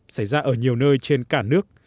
xảy ra ở nhiều nơi trên cả nước